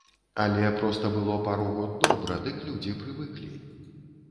Але проста было пару год добра, дык людзі прывыклі.